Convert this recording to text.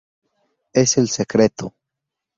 Es el secreto...